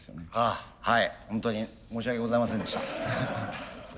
ああはいホントに申し訳ございませんでした。